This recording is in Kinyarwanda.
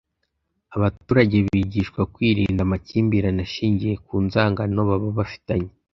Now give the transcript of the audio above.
abaturage bigishwa kwirinda amakimbirane ashingiye ku nzangano baba bafitanye